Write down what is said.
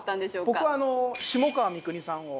僕は下川みくにさんを。